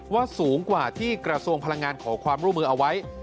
สูงกว่าที่กระทรวงพลังงานขอความร่วมมือเอาไว้